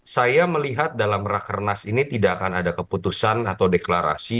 saya melihat dalam rakernas ini tidak akan ada keputusan atau deklarasi